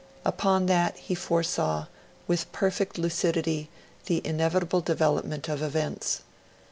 Upon that, he foresaw, with perfect lucidity, the inevitable development of events.